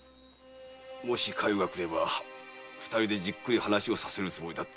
もし佳代が来れば二人でじっくり話をさせるつもりだった。